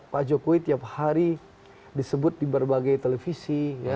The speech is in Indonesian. pak jokowi tiap hari disebut di berbagai televisi